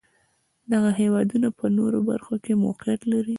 دغه هېوادونه په نورو برخو کې موقعیت لري.